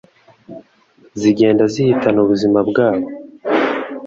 zigenda zihitana ubuzima bwabo